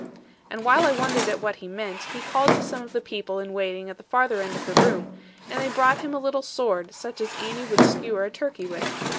And while I wondered what he meant, he called to some of the people in waiting at the farther end of the room, and they brought him a little sword, such as Annie would skewer a turkey with.